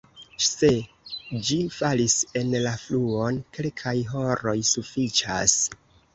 Se ĝi falis en la fluon, kelkaj horoj sufiĉas.